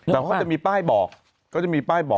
แต่เขาก็จะมีป้ายบอก